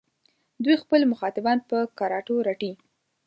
دوی خپل مخاطبان په کراتو رټي.